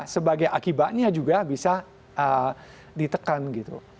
sebagai akibatnya juga bisa ditekan gitu